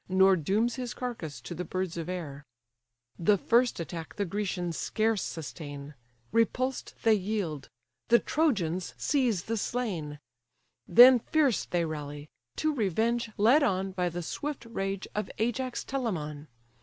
Nor dooms his carcase to the birds of air. FIGHT FOR THE BODY OF PATROCLUS The first attack the Grecians scarce sustain, Repulsed, they yield; the Trojans seize the slain. Then fierce they rally, to revenge led on By the swift rage of Ajax Telamon.